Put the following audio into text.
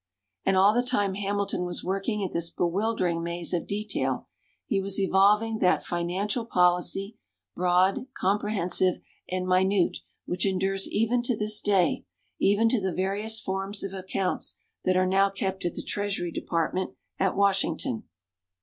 And all the time Hamilton was working at this bewildering maze of detail, he was evolving that financial policy, broad, comprehensive and minute, which endures even to this day, even to the various forms of accounts that are now kept at the Treasury Department at Washington.